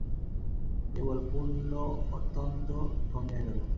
কেবল পূর্ণ অত্যন্ত দমিয়া গেল।